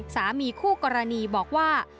สามีคู่กรณีบอกว่า